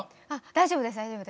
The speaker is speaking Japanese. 大丈夫です大丈夫です。